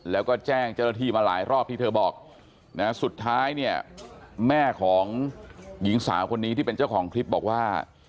แล้วก็แจ้งเจ้าหน้าที่มาหลายรอบที่เธอบอกนะสุดท้ายเนี่ยแม่ของหญิงสาวคนนี้ที่เป็นเจ้าของคลิปบอกว่า